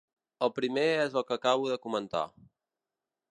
El primer és el que acabo de comentar.